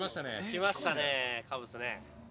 来ましたねカブスね。